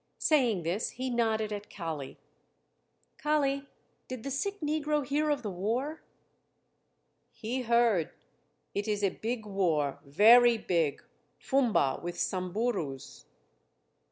Saying this, he nodded at Kali. "Kali, did the sick negro hear of the war?" "He heard. It is a big war, very big Fumba with Samburus."